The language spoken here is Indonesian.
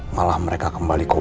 malah mereka kembali gobarkan